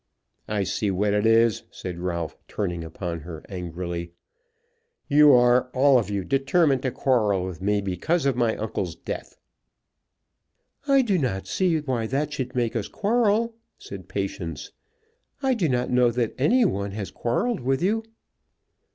"I see what it is," said Ralph, turning upon her angrily. "You are, all of you, determined to quarrel with me because of my uncle's death." "I do not see why that should make us quarrel," said Patience. "I do not know that any one has quarrelled with you."